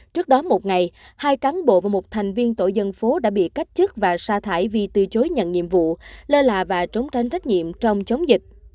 trước đó một ngày hai cán bộ và một thành viên tổ dân phố đã bị cách chức và sa thải vì từ chối nhận nhiệm vụ lơ là và trốn tránh trách nhiệm trong chống dịch